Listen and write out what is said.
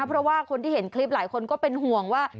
เพราะว่าคนที่เห็นคลิปหลายคนก็เป็นห่วงว่า